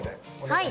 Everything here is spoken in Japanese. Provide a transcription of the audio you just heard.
はい。